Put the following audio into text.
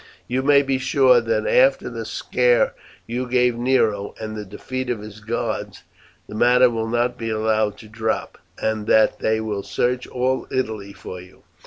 "You may be sure that after the scare you gave Nero, and the defeat of his guards, the matter will not be allowed to drop, and that they will search all Italy for you.